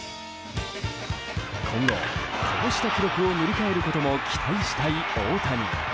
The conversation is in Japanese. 今後、こうした記録を塗り替えることも期待したい大谷。